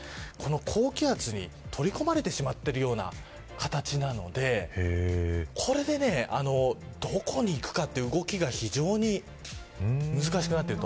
高気圧に取り込まれてしまっているような形なのでこれでどこに行くかという動きが非常に難しくなっている。